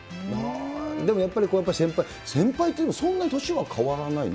でもやっぱり先輩、先輩っていっても、そんなに年は変わらないの？